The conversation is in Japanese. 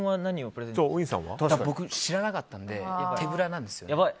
僕、知らなかったんで手ぶらなんですよ。